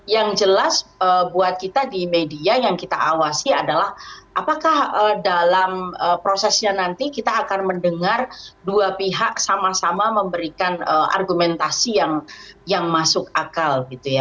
yang jelas buat kita di media yang kita awasi adalah apakah dalam prosesnya nanti kita akan mendengar dua pihak sama sama memberikan argumentasi yang masuk akal